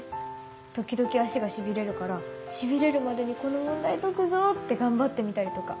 時々足がしびれるからしびれるまでにこの問題解くぞって頑張ってみたりとか。